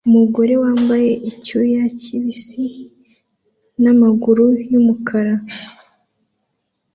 Umugore wambaye icyuya kibisi n'amaguru yumukara